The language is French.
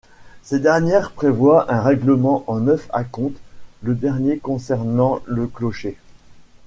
Ces dernières prévoient un règlement en neuf acomptes, le dernier concernant le clocher.